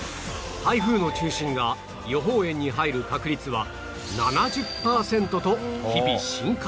台風の中心が予報円に入る確率は７０パーセントと日々進化中